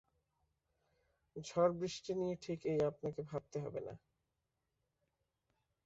ঝড়-বৃষ্টি নিয়ে ঠিক এই আপনাকে ভাবতে হবে না।